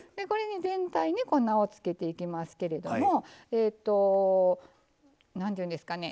全体に粉をつけていきますけれども何て言うんですかね